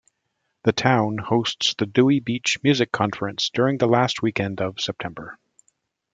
The town hosts the Dewey Beach Music Conference during the last weekend of September.